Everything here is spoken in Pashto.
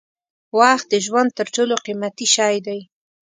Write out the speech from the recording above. وخت د ژوند تر ټولو قیمتي شی دی.